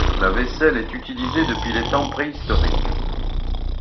La vaisselle est utilisée depuis les temps préhistoriques.